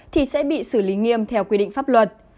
thì sẽ bị xử lý nghiêm theo quy định pháp luật